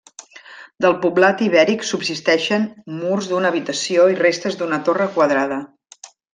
Del poblat ibèric subsisteixen murs d'una habitació i restes d'una torre quadrada.